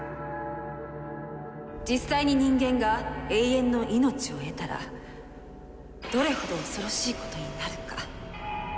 実際に人間が永遠の命を得たらどれほど恐ろしいことになるか。